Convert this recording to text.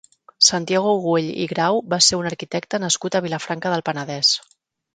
Santiago Güell i Grau va ser un arquitecte nascut a Vilafranca del Penedès.